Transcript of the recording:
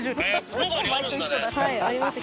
はいありました。